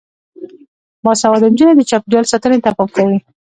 باسواده نجونې د چاپیریال ساتنې ته پام کوي.